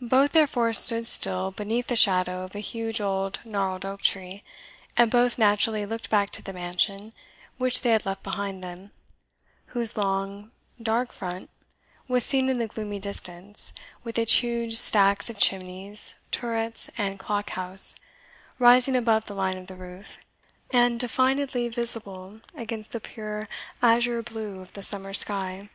Both therefore stood still beneath the shadow of a huge old gnarled oak tree, and both naturally looked back to the mansion which they had left behind them, whose long, dark front was seen in the gloomy distance, with its huge stacks of chimneys, turrets, and clock house, rising above the line of the roof, and definedly visible against the pure azure blue of the summer sky.